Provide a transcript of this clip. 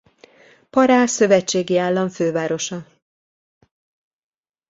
Pará szövetségi állam fővárosa.